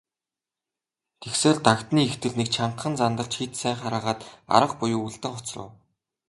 Тэгсээр, Дагданы эхнэр нэг чангахан зандарч хэд сайн хараагаад арга буюу үлдэн хоцров.